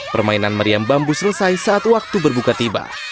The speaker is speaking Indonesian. permainan meriam bambu selesai saat waktu berbuka tiba